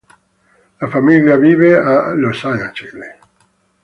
La famiglia vive a Los Angeles.